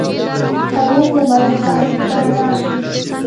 پرون د ملک صاحب کره ناست وو.